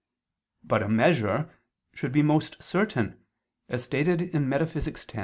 But a measure should be most certain, as stated in Metaph. x.